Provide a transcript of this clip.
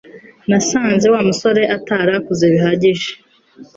Nasanze Wa musore atarakuze bihagije